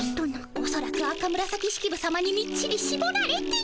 おそらく赤紫式部さまにみっちりしぼられて。